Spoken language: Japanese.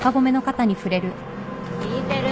聞いてる？